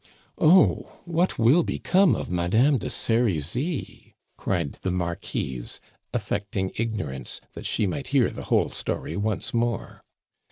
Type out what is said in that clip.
"Oh, what will become of Madame de Serizy?" cried the Marquise, affecting ignorance, that she might hear the whole story once more.